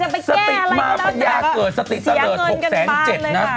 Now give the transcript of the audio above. เพื่อ